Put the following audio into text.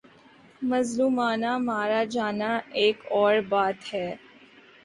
مظلومانہ مارا جانا ایک اور بات ہے۔